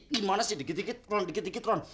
gimana sih dikit dikit ron dikit dikit ron